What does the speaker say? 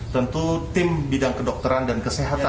tentu tim bidang kedokteran dan kesehatan